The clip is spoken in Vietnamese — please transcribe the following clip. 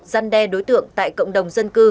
giăn đe đối tượng tại cộng đồng